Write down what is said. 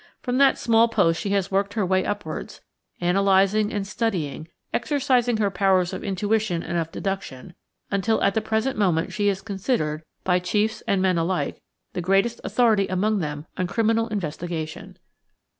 From that small post she has worked her way upwards, analysing and studying, exercising her powers of intuition and of deduction, until at the present moment she is considered, by chiefs and men alike, the greatest authority among them on criminal investigation.